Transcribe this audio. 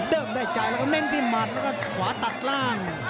เริ่มได้ใจแล้วก็เน้นที่หมัดแล้วก็ขวาตัดล่าง